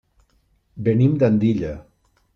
Venim d'Andilla.